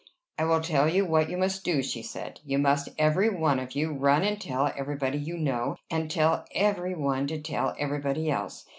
"I will tell you what you must do," she said. "You must, every one of you, run and tell everybody you know, and tell every one to tell everybody else.